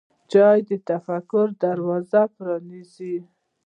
چای د تفکر دروازه پرانیزي.